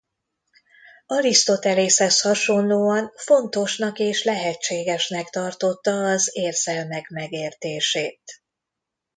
Arisztotelészhez hasonlóan fontosnak és lehetségesnek tartotta az érzelmek megértését.